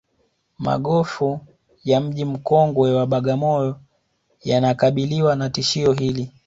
magofu ya mji mkongwe wa bagamoyo yanakabiriwa na tishio hili